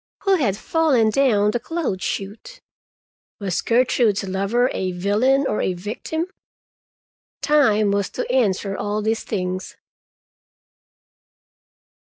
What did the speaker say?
Who had fallen down the clothes chute? Was Gertrude's lover a villain or a victim? Time was to answer all these things.